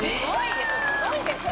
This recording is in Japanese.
すごいでしょ？